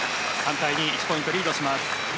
１ポイントリードします。